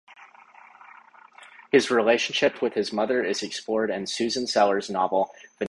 His relationship with his mother is explored in Susan Sellers' novel "Vanessa and Virginia".